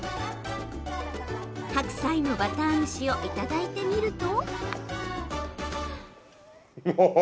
白菜のバター蒸しをいただいてみると。